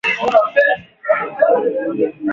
Viazi vinaweza kuliwa wakati wowote yaani jioni